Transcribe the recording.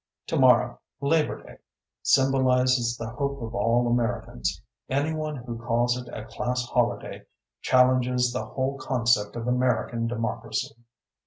Tomorrow, Labor Day, symbolizes the hope of all Americans. Anyone who calls it a class holiday challenges the whole concept of American democracy.